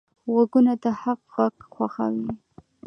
غوږونه د حق غږ خوښوي